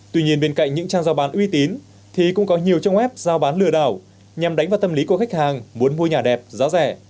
tuy nhiên bên cạnh những trang giao bán uy tín thì cũng có nhiều trang web giao bán lừa đảo nhằm đánh vào tâm lý của khách hàng muốn mua nhà đẹp giá rẻ